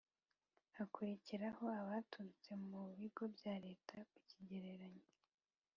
hakurikiraho ubwaturutse mu Bigo bya Leta ku kigereranyo